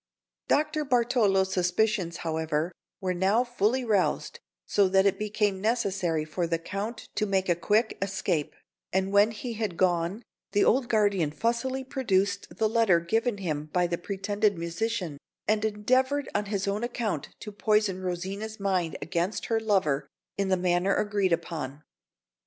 Dr. Bartolo's suspicions, however, were now fully roused, so that it became necessary for the Count to make a quick escape; and when he had gone the old guardian fussily produced the letter given him by the pretended musician, and endeavoured on his own account to poison Rosina's mind against her lover in the manner agreed upon.